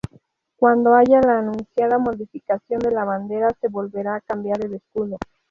Cuando haya la anunciada modificación de la bandera se volverá a cambiar el escudo.